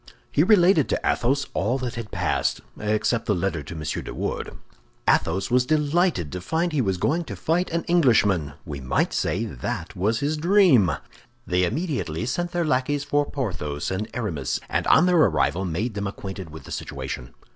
He related to Athos all that had passed, except the letter to M. de Wardes. Athos was delighted to find he was going to fight an Englishman. We might say that was his dream. They immediately sent their lackeys for Porthos and Aramis, and on their arrival made them acquainted with the situation.